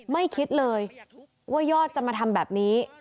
ไม่คิดเลยว่ายอดจะมาทำแบบนี้